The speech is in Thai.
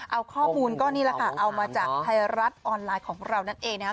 เอาข้อมูลก็นี่แหละค่ะเอามาจากไทยรัฐออนไลน์ของเรานั่นเองนะครับ